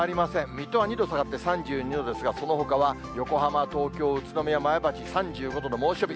水戸は２度下がって３２度ですが、そのほかは横浜、東京、宇都宮、前橋、３５度の猛暑日。